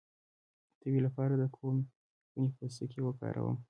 د تبې لپاره د کومې ونې پوستکی وکاروم؟